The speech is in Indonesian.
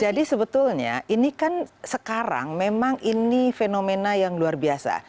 jadi sebetulnya ini kan sekarang memang ini fenomena yang luar biasa